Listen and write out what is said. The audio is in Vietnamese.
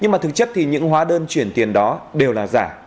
nhưng mà thực chất thì những hóa đơn chuyển tiền đó đều là giả